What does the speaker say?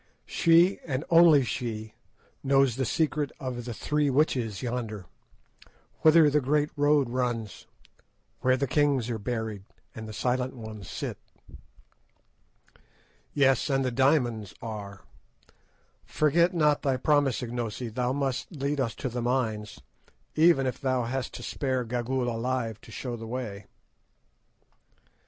"She, and she only, knows the secret of the 'Three Witches,' yonder, whither the great road runs, where the kings are buried, and the Silent Ones sit." "Yes, and the diamonds are. Forget not thy promise, Ignosi; thou must lead us to the mines, even if thou hast to spare Gagool alive to show the way."